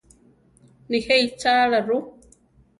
Nijé ichála ru?